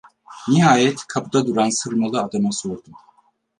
Nihayet kapıda duran sırmalı adama sordum.